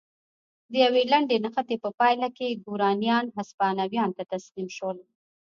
د یوې لنډې نښتې په پایله کې ګورانیان هسپانویانو ته تسلیم شول.